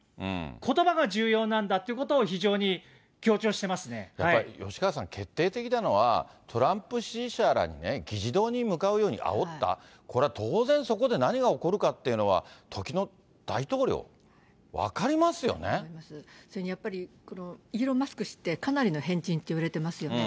ことばが重要なんだってことを非常に強調してますね、やっぱり吉川さん、決定的なのは、トランプ支持者を議事堂に向かうようにあおった、これは当然そこで何が起こるかというのは、それにやっぱり、イーロン・マスク氏ってかなりの変人っていわれてますよね。